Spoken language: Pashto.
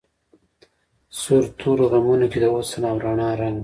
سور تورو غمونو کی د حسن او رڼا رنګ